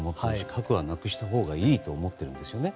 核はなくしたほうがいいと思っているんですよね。